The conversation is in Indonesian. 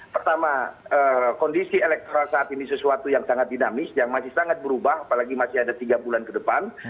pertama kondisi elektoral saat ini sesuatu yang sangat dinamis yang masih sangat berubah apalagi masih ada tiga bulan ke depan